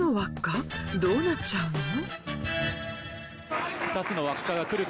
どうなっちゃうの？